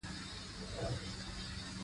زردالو د افغانانو د تفریح یوه وسیله ده.